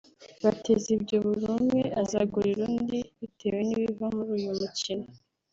bateze ibyo buri umwe azagurira undi bitewe n’ibiva muri uyu mukino